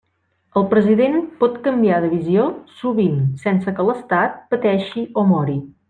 El president pot canviar de visió sovint sense que l'Estat pateixi o mori.